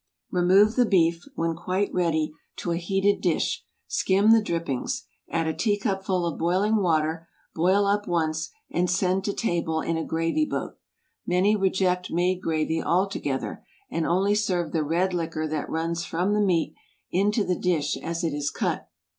Remove the beef, when quite ready, to a heated dish; skim the drippings; add a teacupful of boiling water, boil up once, and send to table in a gravy boat. Many reject made gravy altogether, and only serve the red liquor that runs from the meat into the dish as it is cut.